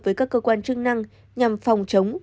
với các cơ quan chức năng nhằm phòng chống